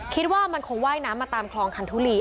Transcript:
คิดว่ามันคงว่ายน้ำมาตามคลองคันทุลี